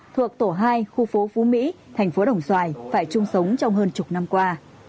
thuộc tổ hai khu phố phú mỹ thành phố đồng xoài phải chung sống trong hơn chục năm qua